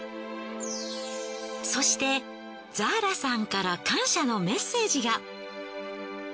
そしてザーラさんから感謝のメッセージが。